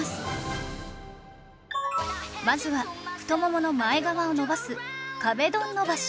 まずは太ももの前側を伸ばす壁ドン伸ばし